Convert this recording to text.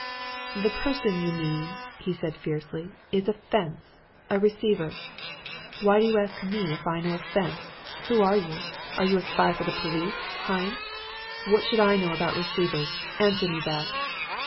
"'The person you mean,' he said fiercely, 'is a fence a receiver. Why do you ask me if I know a fence? Who are you? Are you a spy for the police? Hein? What should I know about receivers? Answer me that!'